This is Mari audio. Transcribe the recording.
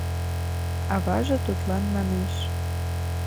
Аваже тудлан манеш: